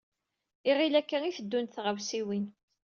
Iɣil akka i teddunt tɣawsiwin.